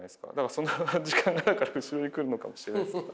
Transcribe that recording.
そんな時間があるから後ろに来るのかもしれないですけど。